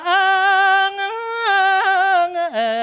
เอิงเอิง